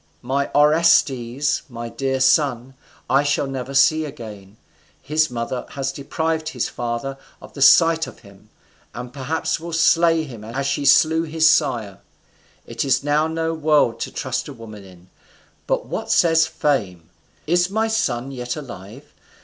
My Orestes, my dear son, I shall never see again. His mother has deprived his father of the sight of him, and perhaps will slay him as she slew his sire. It is now no world to trust a woman in. But what says fame? is my son yet alive?